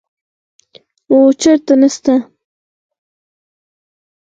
او چېرته نسته.